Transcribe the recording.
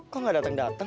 kok gak dateng dateng